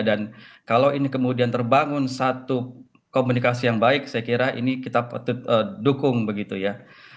dan kalau ini kemudian terbangun satu komunikasi yang baik saya kira ini kita dukung begitu ya